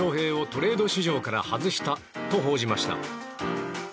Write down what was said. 大谷翔平をトレード市場から外したと報じました。